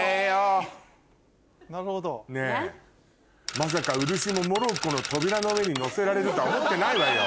まさか漆もモロッコの扉の上にのせられるとは思ってないわよ。